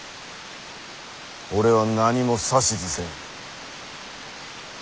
俺は何も指図せん。